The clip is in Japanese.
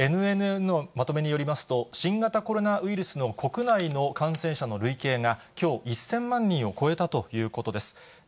ＮＮＮのまとめによりますと、新型コロナウイルスの国内の感染者の累計がきょう、１０００万人を超えたということです。